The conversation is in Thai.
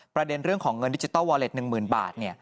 ประเด็นเรื่องของเงินดิจิทัลวอเล็ต๑๐๐๐บาท